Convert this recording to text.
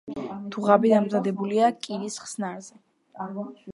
დუღაბი დამზადებულია კირის ხსნარზე.